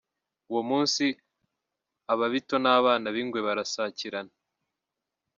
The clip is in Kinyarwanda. Uwo munsi Ababito n’Abana b’Ingwe barasakirana.